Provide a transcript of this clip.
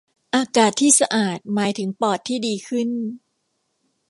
อากาศที่สะอาดหมายถึงปอดที่ดีขึ้น